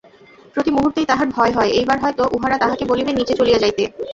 প্রতি মুহুর্তেই তাহার ভয় হয় এইবার হয়তো উহারা তাহাকে বলিবে নিচে চলিয়া যাইতে।